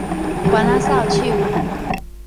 番仔掃帚